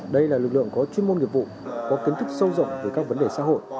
đây là lực lượng có chuyên môn nghiệp vụ có kiến thức sâu rộng về các vấn đề xã hội